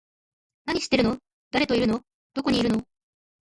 何してるの？誰といるの？どこにいるの？